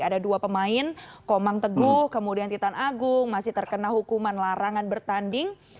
ada dua pemain komang teguh kemudian titan agung masih terkena hukuman larangan bertanding